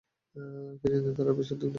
তিনি নেতারা আরো বেশি উদ্বিগ্ন হয়ে উঠেন।